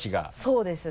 そうですね。